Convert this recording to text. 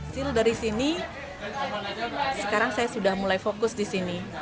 sill dari sini sekarang saya sudah mulai fokus di sini